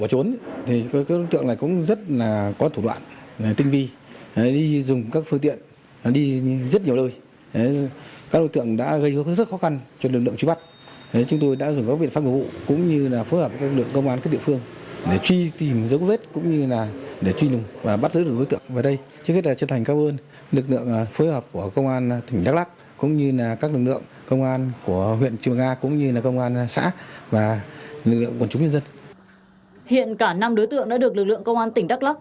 hiện cả năm đối tượng đã được lực lượng công an tỉnh đắk lắc